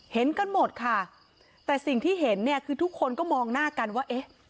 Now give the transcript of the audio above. เห็นกันหมดค่ะแต่สิ่งที่เห็นเนี่ยคือทุกคนก็มองหน้ากันว่าเอ๊ะ